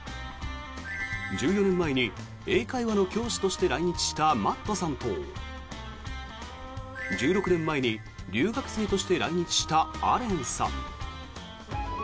１４年前に英会話の教師として来日したマットさんと１６年前に留学生として来日したアレンさん。